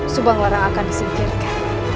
subang larang akan disingkirkan